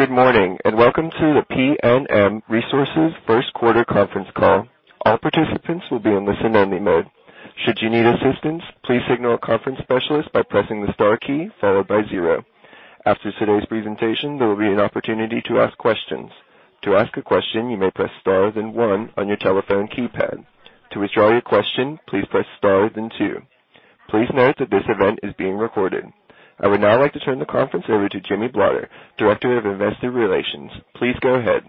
Good morning, welcome to the PNM Resources first quarter conference call. All participants will be in listen-only mode. Should you need assistance, please signal a conference specialist by pressing star, followed by 0. After today's presentation, there will be an opportunity to ask questions. To ask a question, you may press star, then 1 on your telephone keypad. To withdraw your question, please press star, then 2. Please note that this event is being recorded. I would now like to turn the conference over to Jimmie Blotter, Director of Investor Relations. Please go ahead.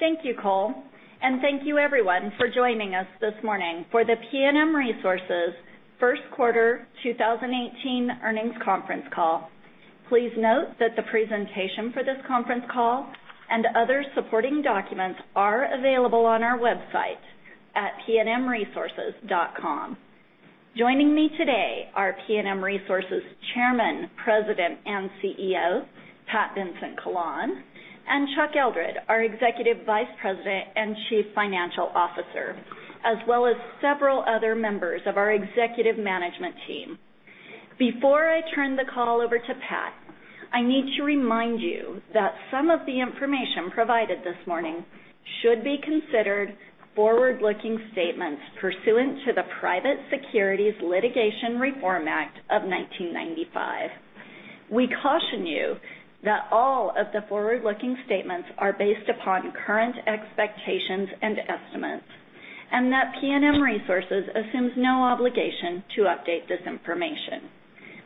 Thank you, Cole. Thank you, everyone, for joining us this morning for the PNM Resources first quarter 2018 earnings conference call. Please note that the presentation for this conference call and other supporting documents are available on our website at pnmresources.com. Joining me today are PNM Resources Chairman, President, and CEO, Pat Vincent-Collawn, and Chuck Eldred, our Executive Vice President and Chief Financial Officer, as well as several other members of our executive management team. Before I turn the call over to Pat, I need to remind you that some of the information provided this morning should be considered forward-looking statements pursuant to the Private Securities Litigation Reform Act of 1995. We caution you that all of the forward-looking statements are based upon current expectations and estimates. PNM Resources assumes no obligation to update this information.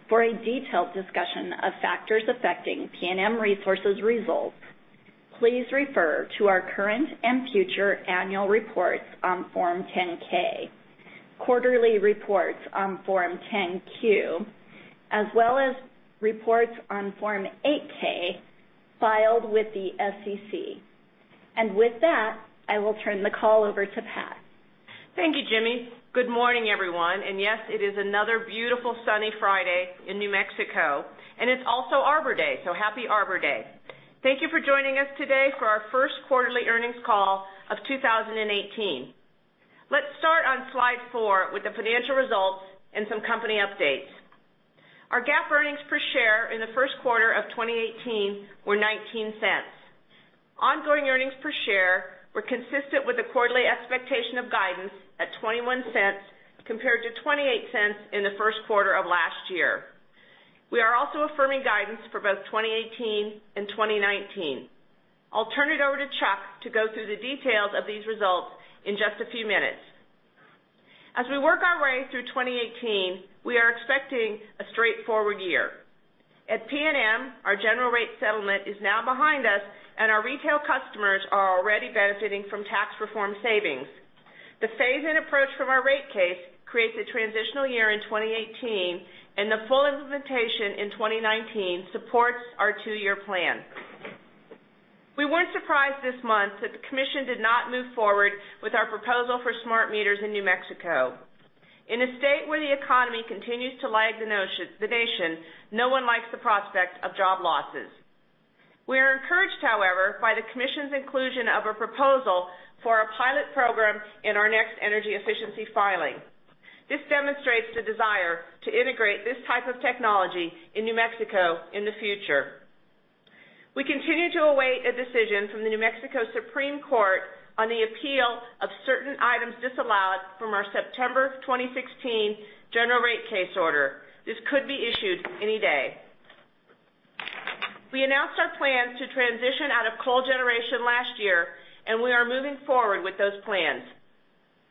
For a detailed discussion of factors affecting PNM Resources results, please refer to our current and future annual reports on Form 10-K, quarterly reports on Form 10-Q, as well as reports on Form 8-K filed with the SEC. With that, I will turn the call over to Pat. Thank you, Jimmie. Good morning, everyone. Yes, it is another beautiful sunny Friday in New Mexico, and it's also Arbor Day. Happy Arbor Day. Thank you for joining us today for our first quarterly earnings call of 2018. Let's start on slide four with the financial results and some company updates. Our GAAP earnings per share in the first quarter of 2018 were $0.19. Ongoing earnings per share were consistent with the quarterly expectation of guidance at $0.21 compared to $0.28 in the first quarter of last year. We are also affirming guidance for both 2018 and 2019. I'll turn it over to Chuck to go through the details of these results in just a few minutes. As we work our way through 2018, we are expecting a straightforward year. At PNM, our general rate settlement is now behind us. Our retail customers are already benefiting from tax reform savings. The phase-in approach from our rate case creates a transitional year in 2018, and the full implementation in 2019 supports our two-year plan. We weren't surprised this month that the commission did not move forward with our proposal for smart meters in New Mexico. In a state where the economy continues to lag the nation, no one likes the prospect of job losses. We are encouraged, however, by the commission's inclusion of a proposal for a pilot program in our next energy efficiency filing. This demonstrates the desire to integrate this type of technology in New Mexico in the future. We continue to await a decision from the New Mexico Supreme Court on the appeal of certain items disallowed from our September 2016 general rate case order. This could be issued any day. We announced our plans to transition out of coal generation last year. We are moving forward with those plans.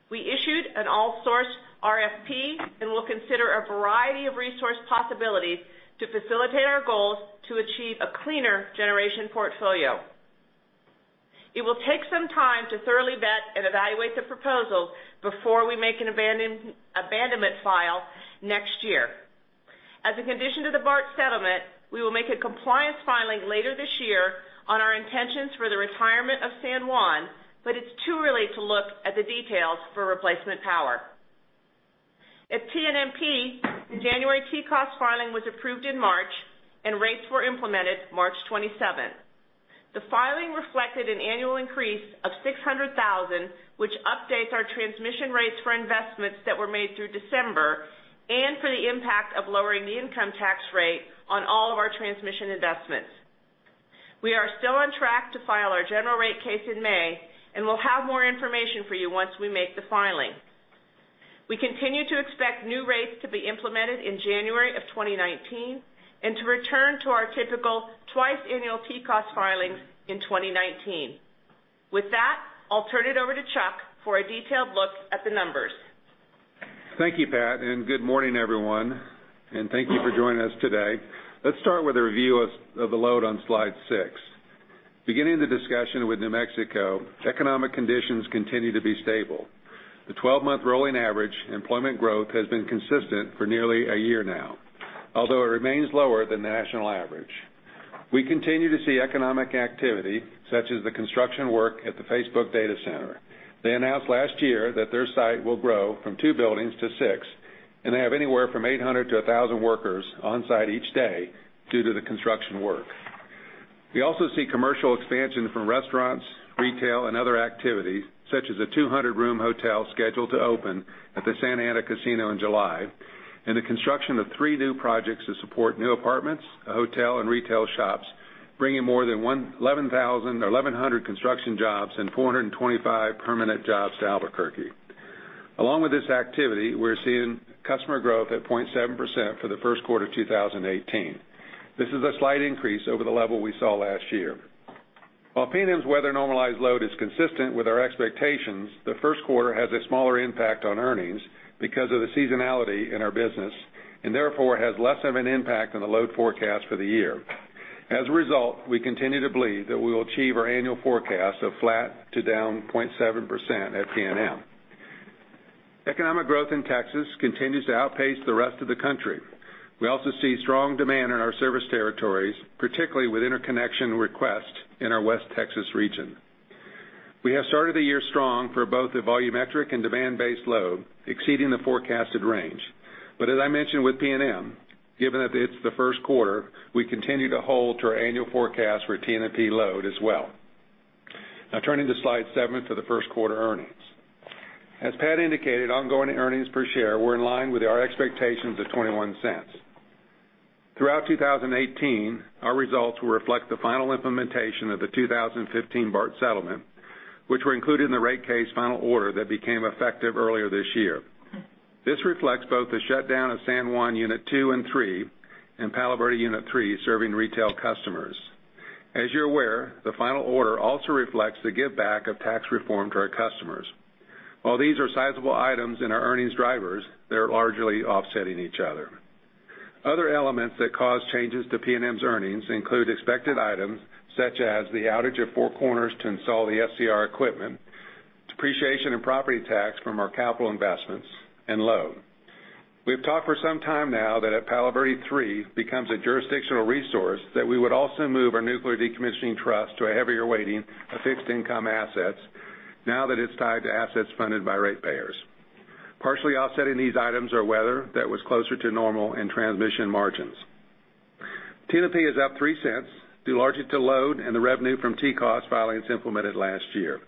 We issued an all source RFP and will consider a variety of resource possibilities to facilitate our goals to achieve a cleaner generation portfolio. It will take some time to thoroughly vet and evaluate the proposals before we make an abandonment file next year. As a condition to the BART settlement, we will make a compliance filing later this year on our intentions for the retirement of San Juan, but it's too early to look at the details for replacement power. At TNMP, the January TCOS filing was approved in March, and rates were implemented March 27th. The filing reflected an annual increase of $600,000, which updates our transmission rates for investments that were made through December and for the impact of lowering the income tax rate on all of our transmission investments. We are still on track to file our general rate case in May. We'll have more information for you once we make the filing. We continue to expect new rates to be implemented in January of 2019 and to return to our typical twice-annual TCOS filings in 2019. With that, I'll turn it over to Chuck for a detailed look at the numbers. Thank you, Pat. Good morning, everyone, and thank you for joining us today. Let's start with a review of the load on slide six. Beginning the discussion with New Mexico, economic conditions continue to be stable. The 12-month rolling average employment growth has been consistent for nearly a year now, although it remains lower than the national average. We continue to see economic activity, such as the construction work at the Facebook data center. They announced last year that their site will grow from two buildings to six, and they have anywhere from 800 to 1,000 workers on-site each day due to the construction work. We also see commercial expansion from restaurants, retail, and other activity, such as a 200-room hotel scheduled to open at the Santa Ana Casino in July, and the construction of three new projects to support new apartments, a hotel, and retail shops. Bringing more than 1,100 construction jobs and 425 permanent jobs to Albuquerque. Along with this activity, we're seeing customer growth at 0.7% for the first quarter 2018. This is a slight increase over the level we saw last year. While PNM's weather-normalized load is consistent with our expectations, the first quarter has a smaller impact on earnings because of the seasonality in our business, and therefore, has less of an impact on the load forecast for the year. As a result, we continue to believe that we will achieve our annual forecast of flat to down 0.7% at PNM. Economic growth in Texas continues to outpace the rest of the country. We also see strong demand in our service territories, particularly with interconnection requests in our West Texas region. We have started the year strong for both the volumetric and demand-based load, exceeding the forecasted range. As I mentioned with PNM, given that it's the first quarter, we continue to hold to our annual forecast for TNMP load as well. Now turning to slide seven for the first quarter earnings. As Pat indicated, ongoing earnings per share were in line with our expectations of $0.21. Throughout 2018, our results will reflect the final implementation of the 2015 BART settlement, which were included in the rate case final order that became effective earlier this year. This reflects both the shutdown of San Juan Unit 2 and 3 and Palo Verde Unit 3 serving retail customers. As you're aware, the final order also reflects the giveback of tax reform to our customers. While these are sizable items in our earnings drivers, they're largely offsetting each other. Other elements that cause changes to PNM's earnings include expected items such as the outage of Four Corners to install the SCR equipment, depreciation in property tax from our capital investments, and load. We have talked for some time now that if Palo Verde 3 becomes a jurisdictional resource, that we would also move our nuclear decommissioning trust to a heavier weighting of fixed income assets now that it's tied to assets funded by ratepayers. Partially offsetting these items are weather that was closer to normal and transmission margins. TNMP is up $0.03, due largely to load and the revenue from TCOS filings implemented last year.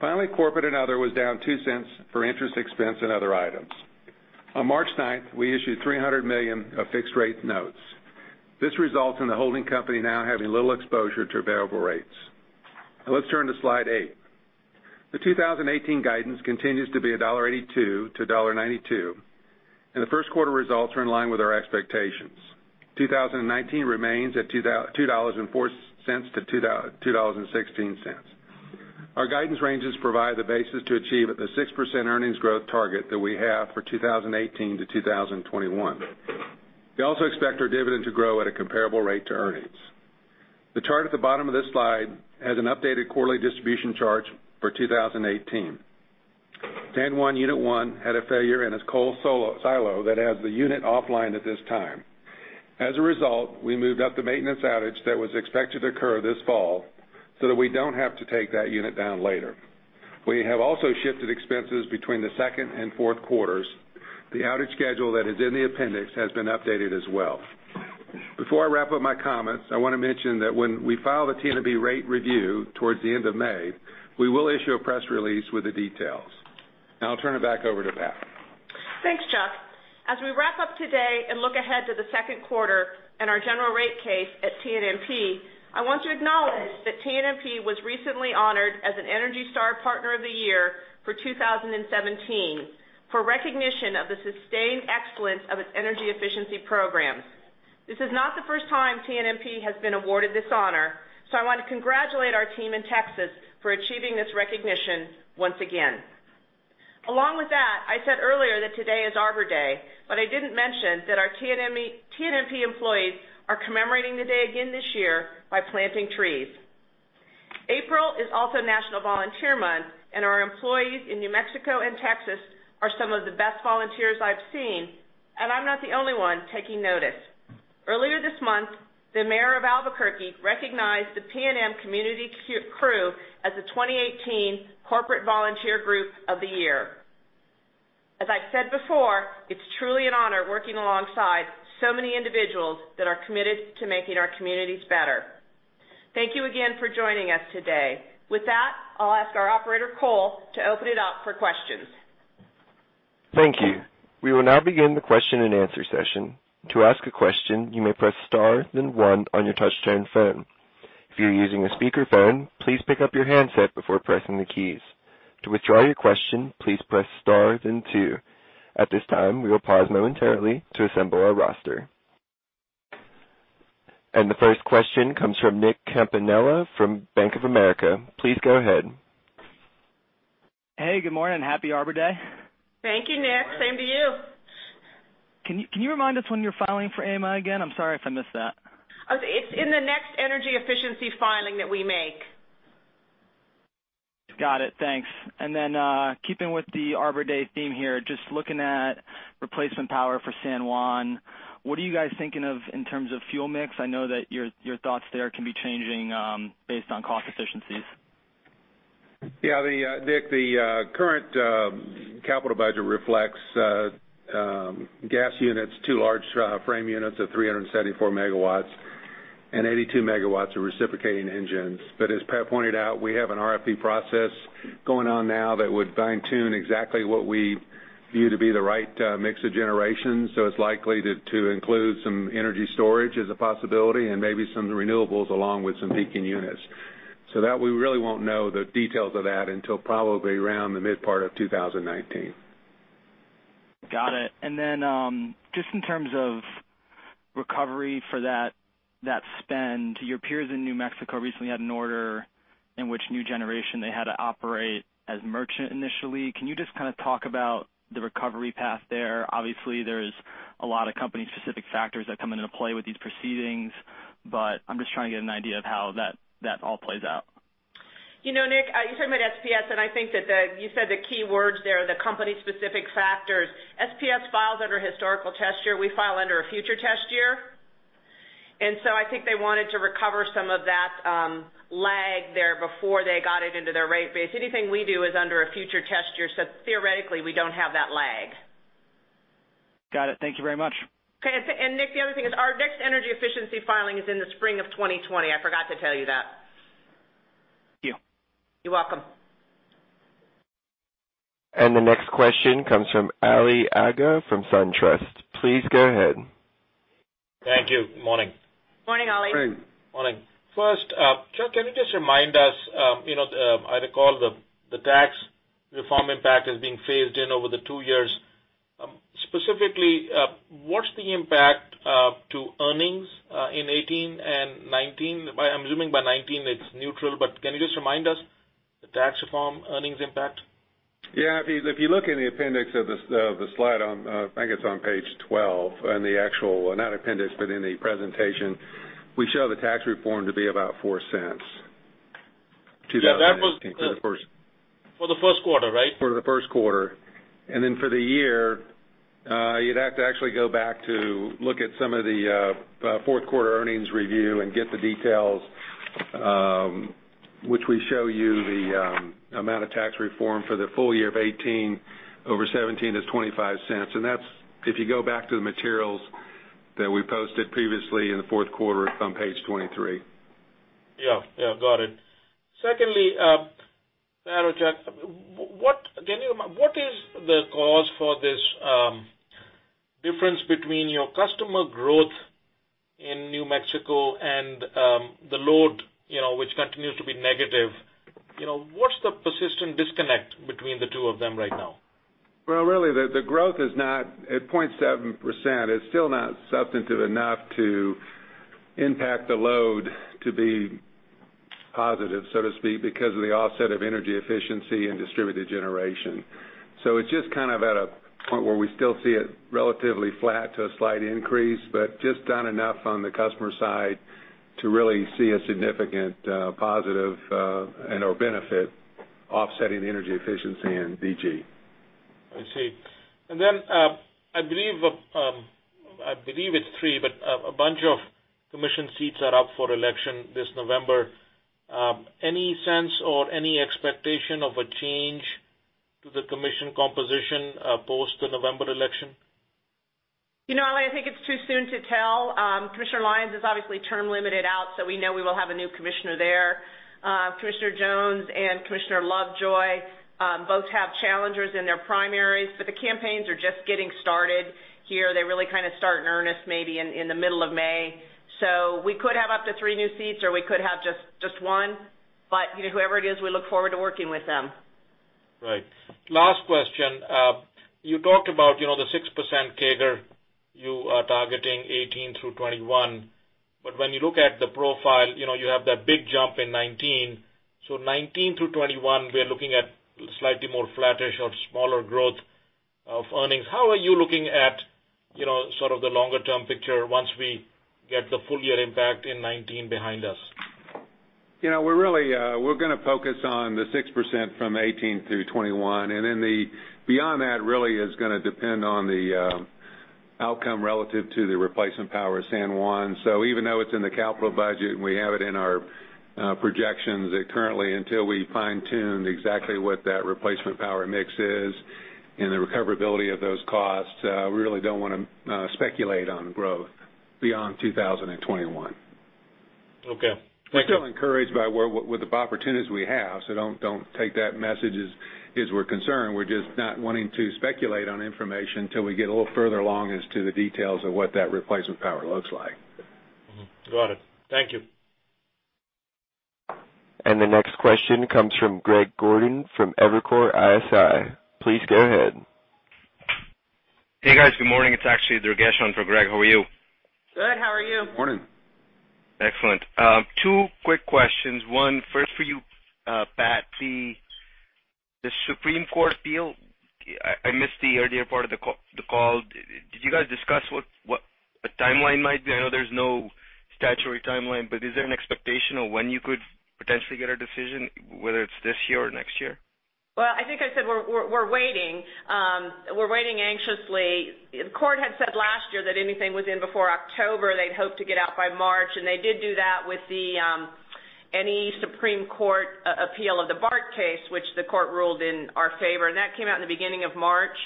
Finally, corporate and other was down $0.02 for interest expense and other items. On March 9th, we issued $300 million of fixed-rate notes. This results in the holding company now having little exposure to variable rates. Now let's turn to slide eight. The 2018 guidance continues to be $1.82 to $1.92, and the first quarter results are in line with our expectations. 2019 remains at $2.04 to $2.16. Our guidance ranges provide the basis to achieve the 6% earnings growth target that we have for 2018 to 2021. We also expect our dividend to grow at a comparable rate to earnings. The chart at the bottom of this slide has an updated quarterly distribution chart for 2018. San Juan Unit 1 had a failure in its coal silo that has the unit offline at this time. As a result, we moved up the maintenance outage that was expected to occur this fall so that we don't have to take that unit down later. We have also shifted expenses between the second and fourth quarters. The outage schedule that is in the appendix has been updated as well. Before I wrap up my comments, I want to mention that when we file the TNMP rate review towards the end of May, we will issue a press release with the details. Now I'll turn it back over to Pat. Thanks, Chuck. As we wrap up today and look ahead to the second quarter and our general rate case at TNMP, I want to acknowledge that TNMP was recently honored as an Energy Star Partner of the Year for 2017 for recognition of the sustained excellence of its energy efficiency programs. This is not the first time TNMP has been awarded this honor. I want to congratulate our team in Texas for achieving this recognition once again. Along with that, I said earlier that today is Arbor Day. I didn't mention that our TNMP employees are commemorating the day again this year by planting trees. April is also National Volunteer Month, and our employees in New Mexico and Texas are some of the best volunteers I've seen. I'm not the only one taking notice. Earlier this month, the mayor of Albuquerque recognized the PNM Community Crew as the 2018 Corporate Volunteer Group of the Year. As I've said before, it's truly an honor working alongside so many individuals that are committed to making our communities better. Thank you again for joining us today. With that, I'll ask our operator, Cole, to open it up for questions. Thank you. We will now begin the question and answer session. To ask a question, you may press star then one on your touch-tone phone. If you're using a speakerphone, please pick up your handset before pressing the keys. To withdraw your question, please press star then two. At this time, we will pause momentarily to assemble our roster. The first question comes from Nicholas Campanella from Bank of America. Please go ahead. Hey, good morning. Happy Arbor Day. Thank you, Nick. Same to you. Can you remind us when you're filing for AMI again? I'm sorry if I missed that. It's in the next energy efficiency filing that we make. Got it, thanks. Keeping with the Arbor Day theme here, just looking at replacement power for San Juan, what are you guys thinking of in terms of fuel mix? I know that your thoughts there can be changing based on cost efficiencies. Yeah, Nick, the current capital budget reflects gas units, 2 large frame units of 374 MW and 82 MW of reciprocating engines. As Pat pointed out, we have an RFP process going on now that would fine-tune exactly what we view to be the right mix of generations. It's likely to include some energy storage as a possibility and maybe some renewables along with some peaking units. We really won't know the details of that until probably around the mid part of 2019. Got it. Just in terms of recovery for that spend, your peers in New Mexico recently had an order in which new generation they had to operate as merchant initially. Can you just talk about the recovery path there? Obviously, there's a lot of company-specific factors that come into play with these proceedings, I'm just trying to get an idea of how that all plays out. Nick, you're talking about SPS, I think that you said the key words there, the company-specific factors. SPS files under historical test year. We file under a future test year. I think they wanted to recover some of that lag there before they got it into their rate base. Anything we do is under a future test year, theoretically, we don't have that lag. Got it. Thank you very much. Okay. Nick, the other thing is our next energy efficiency filing is in the spring of 2020. I forgot to tell you that. Thank you. You're welcome. The next question comes from Ali Agha from SunTrust. Please go ahead. Thank you. Good morning. Morning, Ali. Morning. Morning. First, Chuck, can you just remind us, I recall the Tax Reform impact is being phased in over the two years. Specifically, what's the impact to earnings in 2018 and 2019? I'm assuming by 2019 it's neutral, but can you just remind us the Tax Reform earnings impact? Yeah, if you look in the appendix of the slide, I think it's on page 12. Not appendix, but in the presentation, we show the tax reform to be about $0.04, 2018 for the first- For the first quarter, right? For the first quarter. Then for the year, you'd have to actually go back to look at some of the fourth quarter earnings review and get the details, which we show you the amount of tax reform for the full year of 2018 over 2017 is $0.25. That's if you go back to the materials that we posted previously in the fourth quarter on page 23. Yeah. Got it. Secondly, Pat or Chuck, what is the cause for this difference between your customer growth in New Mexico and the load which continues to be negative? What's the persistent disconnect between the two of them right now? Well, really, the growth is not at 0.7%. It is still not substantive enough to impact the load to be positive, so to speak, because of the offset of energy efficiency and distributed generation. It is just at a point where we still see it relatively flat to a slight increase, but just not enough on the customer side to really see a significant positive and/or benefit offsetting the energy efficiency in DG. I see. I believe it is three, but a bunch of commission seats are up for election this November. Any sense or any expectation of a change to the commission composition post the November election? Ali, I think it is too soon to tell. Ryan Sitton is obviously term limited out, we know we will have a new commissioner there. Wayne Christian and Christi Craddick both have challengers in their primaries, the campaigns are just getting started here. They really kind of start in earnest maybe in the middle of May. We could have up to three new seats or we could have just one. Whoever it is, we look forward to working with them. Right. Last question. You talked about the 6% CAGR you are targeting 2018 through 2021. When you look at the profile, you have that big jump in 2019. 2019 through 2021, we are looking at slightly more flattish or smaller growth of earnings. How are you looking at sort of the longer-term picture once we get the full year impact in 2019 behind us? We're going to focus on the 6% from 2018 through 2021. Then beyond that really is going to depend on the outcome relative to the replacement power San Juan. Even though it's in the capital budget and we have it in our projections currently, until we fine-tune exactly what that replacement power mix is and the recoverability of those costs, we really don't want to speculate on growth beyond 2021. Okay. Thank you. We're still encouraged with the opportunities we have. Don't take that message as we're concerned. We're just not wanting to speculate on information till we get a little further along as to the details of what that replacement power looks like. Got it. Thank you. The next question comes from Greg Gordon from Evercore ISI. Please go ahead. Hey, guys. Good morning. It's actually Durgesh on for Greg. How are you? Good. How are you? Morning. Excellent. Two quick questions. One first for you, Pat. The Supreme Court appeal, I missed the earlier part of the call. Did you guys discuss what a timeline might be? I know there's no statutory timeline, but is there an expectation of when you could potentially get a decision, whether it's this year or next year? Well, I think I said we're waiting. We're waiting anxiously. The court had said last year that anything was in before October, they'd hope to get out by March, and they did do that with any Supreme Court appeal of the BART case, which the court ruled in our favor. That came out in the beginning of March.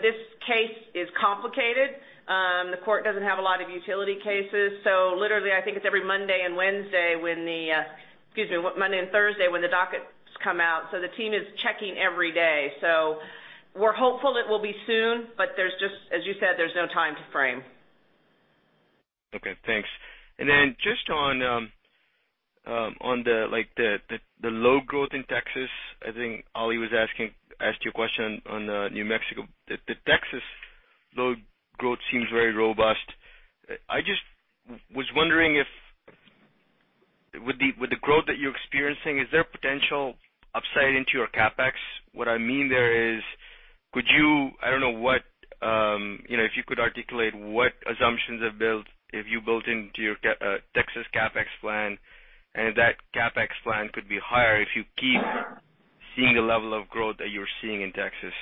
This case is complicated. The court doesn't have a lot of utility cases. Literally, I think it's every Monday and Thursday when the dockets come out. The team is checking every day. We're hopeful it will be soon, but as you said, there's no time to frame. Okay, thanks. Then just on the low growth in Texas, I think Ali asked you a question on New Mexico. The Texas low growth seems very robust. I just was wondering with the growth that you're experiencing, is there potential upside into your CapEx? What I mean there is, if you could articulate what assumptions have you built into your Texas CapEx plan, and if that CapEx plan could be higher if you keep seeing the level of growth that you're seeing in Texas?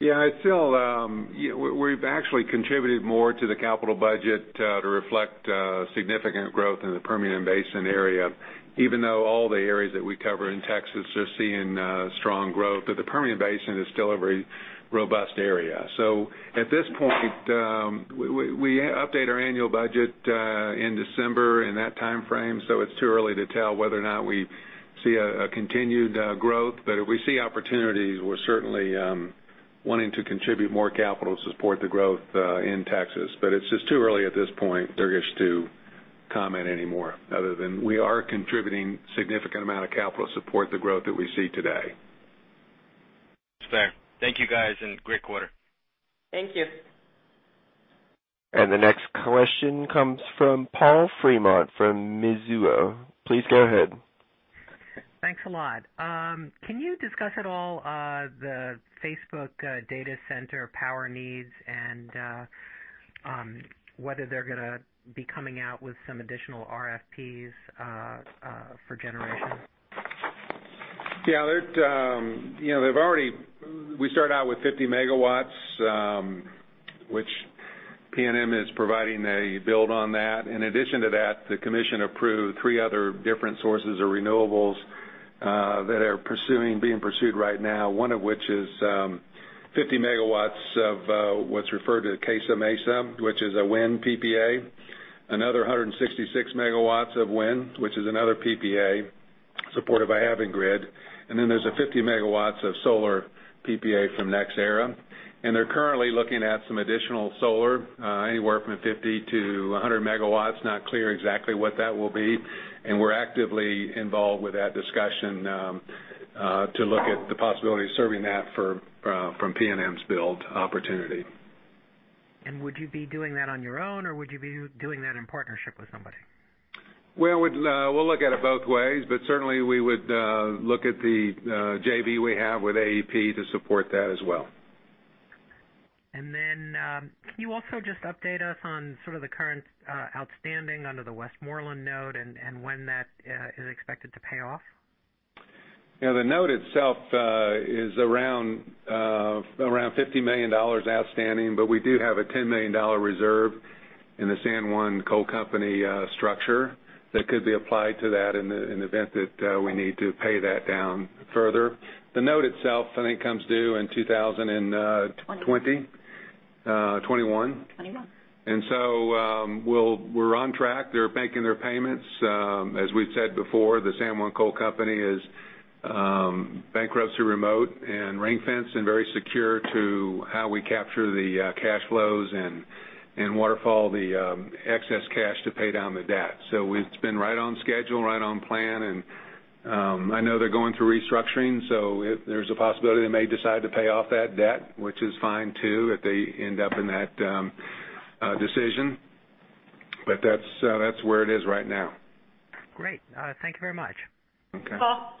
Yeah. We've actually contributed more to the capital budget to reflect significant growth in the Permian Basin area, even though all the areas that we cover in Texas are seeing strong growth. The Permian Basin is still a very robust area. At this point, we update our annual budget in December, in that timeframe, so it's too early to tell whether or not we see a continued growth. If we see opportunities, we're certainly wanting to contribute more capital to support the growth in Texas. It's just too early at this point, Durgesh, to comment any more, other than we are contributing significant amount of capital to support the growth that we see today. Fair. Thank you guys, great quarter. Thank you. The next question comes from Paul Fremont from Mizuho. Please go ahead. Thanks a lot. Can you discuss at all the Facebook data center power needs and whether they're going to be coming out with some additional RFPs for generation? Yeah. We started out with 50 megawatts, which PNM is providing a build on that. In addition to that, the commission approved three other different sources of renewables that are being pursued right now. One of which is 50 megawatts of what's referred to as Casa Mesa, which is a wind PPA. Another 166 megawatts of wind, which is another PPA supported by Avangrid. There's a 50 megawatts of solar PPA from NextEra. They're currently looking at some additional solar, anywhere from 50-100 megawatts. Not clear exactly what that will be. We're actively involved with that discussion to look at the possibility of serving that from PNM's build opportunity. Would you be doing that on your own or would you be doing that in partnership with somebody? We'll look at it both ways, certainly, we would look at the JV we have with AEP to support that as well. Can you also just update us on sort of the current outstanding under the Westmoreland note and when that is expected to pay off? Yeah. The note itself is around $50 million outstanding, but we do have a $10 million reserve in the San Juan Coal Company structure that could be applied to that in the event that we need to pay that down further. The note itself, I think, comes due in 2020. 21. 21. 21. We're on track. They're making their payments. As we've said before, the San Juan Coal Company is bankruptcy remote and ring-fenced and very secure to how we capture the cash flows and waterfall the excess cash to pay down the debt. It's been right on schedule, right on plan, I know they're going through restructuring, there's a possibility they may decide to pay off that debt, which is fine too, if they end up in that decision. That's where it is right now. Great. Thank you very much. Okay. Paul.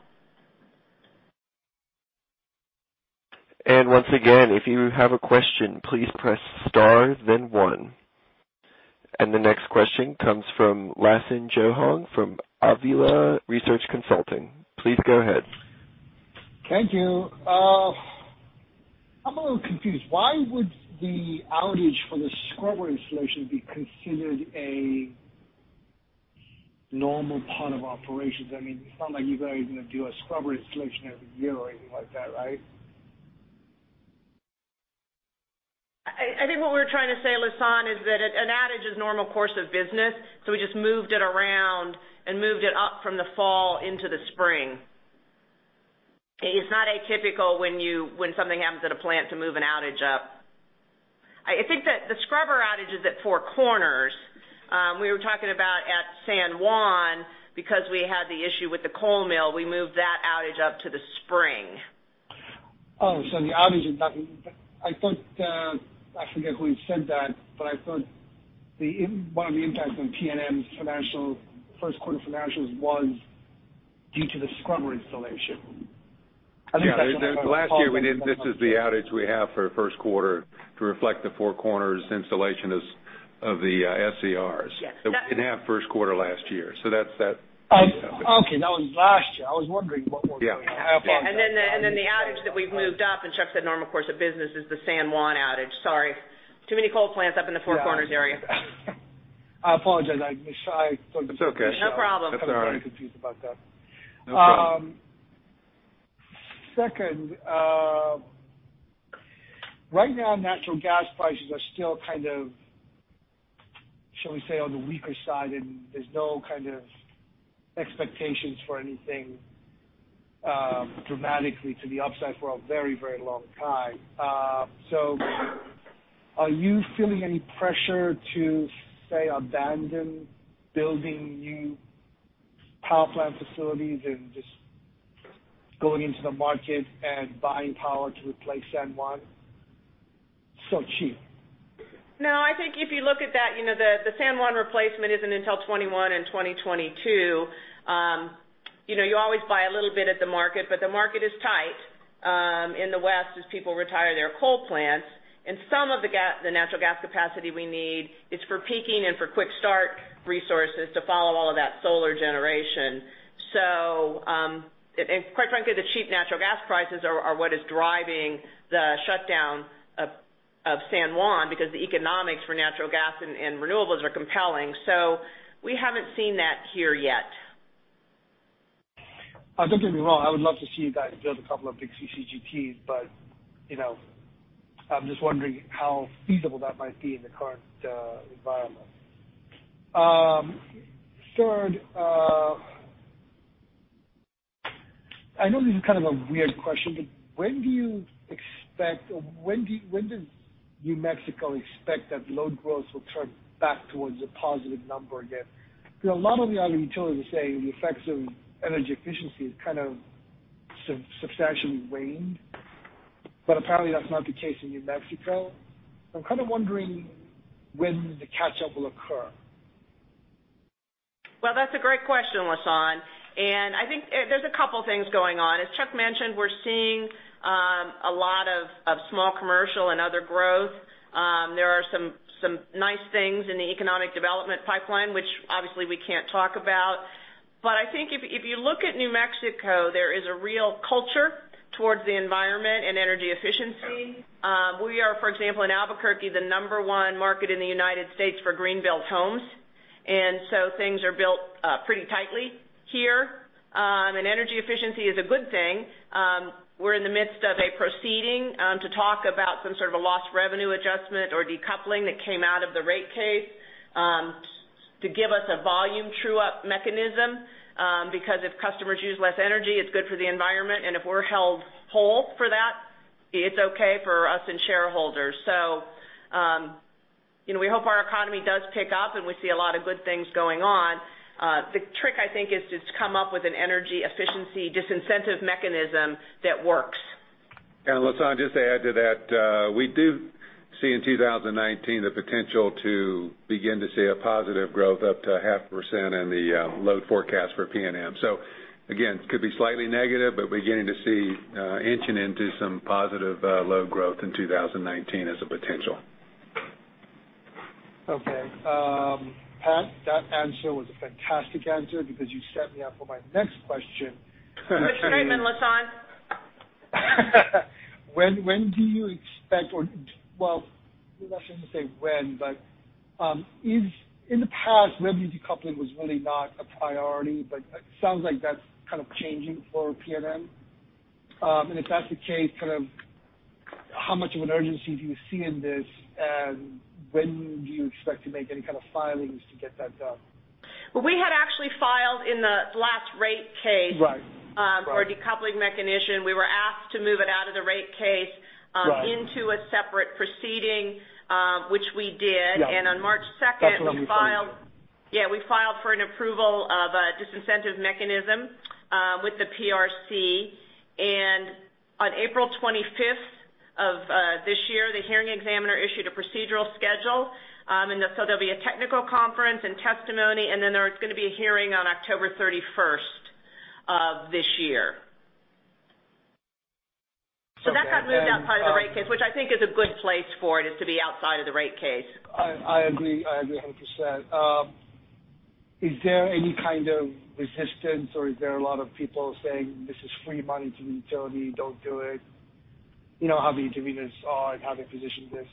Once again, if you have a question, please press star then one. The next question comes from Lasan Johong from Avila Research Consulting. Please go ahead. Thank you. I'm a little confused. Why would the outage for the scrubber installation be considered a normal part of operations? It's not like you guys are going to do a scrubber installation every year or anything like that, right? I think what we're trying to say, Lasan, is that an outage is normal course of business, we just moved it around and moved it up from the fall into the spring. It's not atypical when something happens at a plant to move an outage up. I think that the scrubber outage is at Four Corners. We were talking about at San Juan, because we had the issue with the coal mill, we moved that outage up to the spring. The outage is nothing. I forget who had said that, but I thought one of the impacts on PNM's first quarter financials was due to the scrubber installation. I think that's what I heard. Paul. Last year, this is the outage we have for first quarter to reflect the Four Corners installation of the SCRs. Yes. That we didn't have first quarter last year. That's that. Okay. That was last year. I was wondering what we're doing. Yeah. The outage that we've moved up, and Chuck said normal course of business, is the San Juan outage. Sorry. Too many coal plants up in the Four Corners area. I apologize. It's okay. No problem. That's all right. I was very confused about that. No problem. Second, right now natural gas prices are still kind of, shall we say, on the weaker side, and there's no kind of expectations for anything dramatically to the upside for a very long time. Are you feeling any pressure to, say, abandon building new power plant facilities and just going into the market and buying power to replace San Juan so cheap? No, I think if you look at that, the San Juan replacement isn't until 2021 and 2022. You always buy a little bit at the market, but the market is tight in the West as people retire their coal plants. Some of the natural gas capacity we need is for peaking and for quick-start resources to follow all of that solar generation. Quite frankly, the cheap natural gas prices are what is driving the shutdown of San Juan because the economics for natural gas and renewables are compelling. We haven't seen that here yet. Don't get me wrong, I would love to see you guys build a couple of big CCGTs, but I'm just wondering how feasible that might be in the current environment. Third, I know this is kind of a weird question, but when does New Mexico expect that load growth will turn back towards a positive number again? A lot of the other utilities are saying the effects of energy efficiency has kind of substantially waned. Apparently, that's not the case in New Mexico. I'm kind of wondering when the catch-up will occur. Well, that's a great question, Lasan. I think there's a couple things going on. As Chuck mentioned, we're seeing a lot of small commercial and other growth. There are some nice things in the economic development pipeline, which obviously we can't talk about. I think if you look at New Mexico, there is a real culture towards the environment and energy efficiency. We are, for example, in Albuquerque, the number 1 market in the U.S. for green built homes. Things are built pretty tightly here. Energy efficiency is a good thing. We're in the midst of a proceeding to talk about some sort of a lost revenue adjustment or decoupling that came out of the rate case to give us a volume true-up mechanism. If customers use less energy, it's good for the environment, and if we're held whole for that, it's okay for us and shareholders. We hope our economy does pick up, and we see a lot of good things going on. The trick, I think, is to come up with an energy efficiency disincentive mechanism that works. Lasan, just to add to that, we do see in 2019 the potential to begin to see a positive growth up to 0.5% in the load forecast for PNM. Again, could be slightly negative, but beginning to see inching into some positive load growth in 2019 as a potential. Okay. Pat, that answer was a fantastic answer because you set me up for my next question. [inaudible] Lasan. When do you expect or, well, maybe I shouldn't say when, but in the past, revenue decoupling was really not a priority, but it sounds like that's kind of changing for PNM. If that's the case, how much of an urgency do you see in this, and when do you expect to make any kind of filings to get that done? Well, we had actually filed in the last rate case. Right for a decoupling mechanism. We were asked to move it out of the rate case. Right into a separate proceeding, which we did. Yeah. On March 2nd. That's what I was referring to. we filed for an approval of a disincentive mechanism with the PRC. On April 25th of this year, the hearing examiner issued a procedural schedule. There'll be a technical conference and testimony, and then there's going to be a hearing on October 31st of this year. That got moved out part of the rate case, which I think is a good place for it, is to be outside of the rate case. I agree. I agree 100%. Is there any kind of resistance or is there a lot of people saying this is free money to the utility, don't do it? How the interveners are and how they position this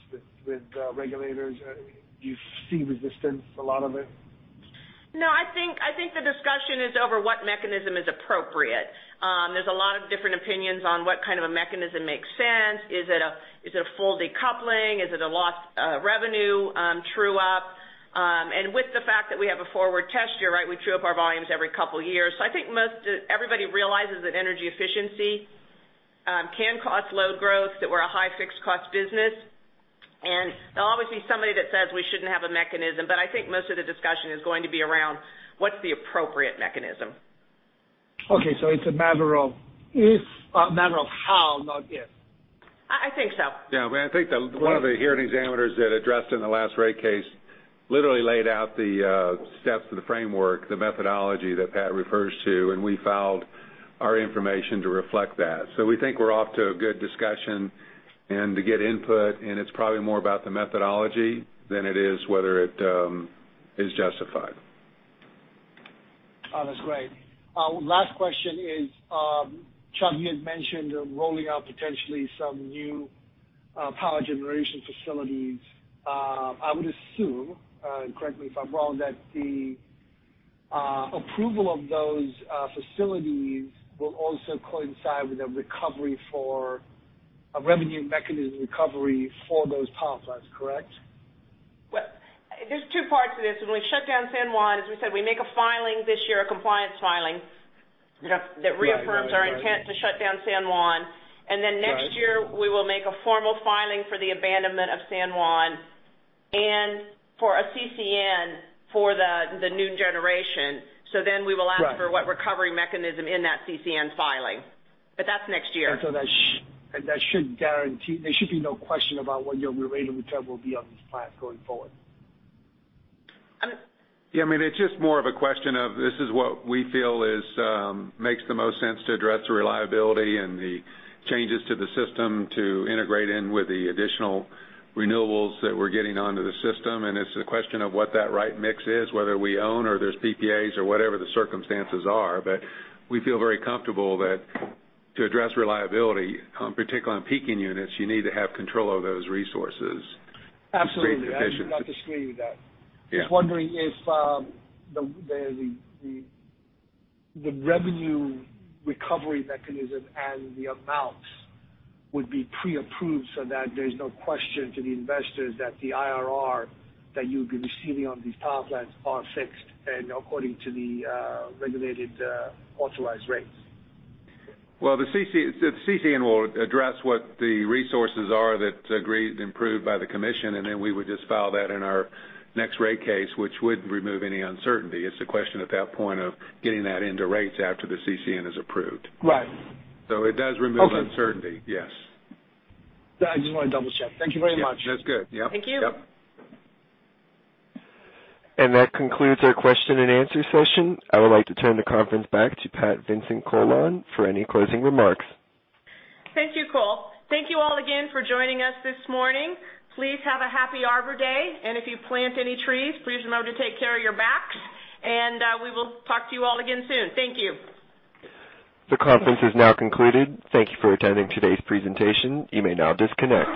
with regulators. Do you see resistance, a lot of it? No, I think the discussion is over what mechanism is appropriate. There's a lot of different opinions on what kind of a mechanism makes sense. Is it a full decoupling? Is it a lost revenue true-up? With the fact that we have a forward test here, right, we true-up our volumes every couple of years. I think everybody realizes that energy efficiency can cause load growth, that we're a high fixed cost business. There'll always be somebody that says we shouldn't have a mechanism, but I think most of the discussion is going to be around what's the appropriate mechanism. Okay, so it's a matter of how, not if. I think so. Yeah. I think one of the hearing examiners that addressed in the last rate case literally laid out the steps to the framework, the methodology that Pat refers to, and we filed our information to reflect that. We think we're off to a good discussion and to get input, and it's probably more about the methodology than it is whether it is justified. Oh, that's great. Last question is, Chuck, you had mentioned rolling out potentially some new power generation facilities. I would assume, and correct me if I'm wrong, that the approval of those facilities will also coincide with a revenue mechanism recovery for those power plants, correct? There's two parts to this. When we shut down San Juan, as we said, we make a filing this year, a compliance filing, that reaffirms our intent to shut down San Juan. Next year, we will make a formal filing for the abandonment of San Juan and for a CCN for the new generation. We will ask for what recovery mechanism in that CCN filing. That's next year. There should be no question about what your related return will be on these plants going forward. I mean- Yeah, it's just more of a question of this is what we feel makes the most sense to address the reliability and the changes to the system to integrate in with the additional renewables that we're getting onto the system. It's a question of what that right mix is, whether we own or there's PPAs or whatever the circumstances are. We feel very comfortable that to address reliability, particularly on peaking units, you need to have control of those resources. Absolutely. I'm not disagreeing with that. Yeah. Just wondering if the revenue recovery mechanism and the amounts would be pre-approved so that there's no question to the investors that the IRR that you'll be receiving on these power plants are fixed and according to the regulated, authorized rates. Well, the CCN will address what the resources are that's agreed and approved by the commission, then we would just file that in our next rate case, which would remove any uncertainty. It's a question at that point of getting that into rates after the CCN is approved. Right. It does remove uncertainty. Okay. Yes. No, I just want to double-check. Thank you very much. That's good. Yep. Thank you. Yep. That concludes our question and answer session. I would like to turn the conference back to Pat Vincent Collawn for any closing remarks. Thank you, Cole. Thank you all again for joining us this morning. Please have a happy Arbor Day. If you plant any trees, please remember to take care of your backs. We will talk to you all again soon. Thank you. The conference is now concluded. Thank you for attending today's presentation. You may now disconnect.